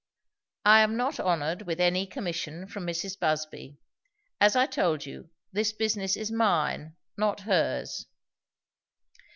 "I am not honoured with any commission from Mrs. Busby. As I told you, this business is mine, not hers."